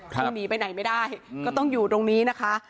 คงหนีไปไหนไม่ได้ก็ต้องอยู่ตรงนี้นะคะ